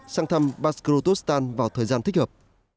sang thăm baskorostan vào thời gian thích hợp